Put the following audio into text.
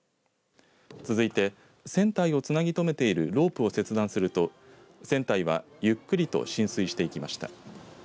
続いて、船体をつなぎ止めているロープを切断すると船体はゆっくりと進水していきました。